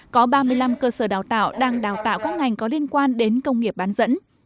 có ba mươi năm cơ sở đào tạo đang đào tạo các ngành có liên quan đến công nghiệp bán dẫn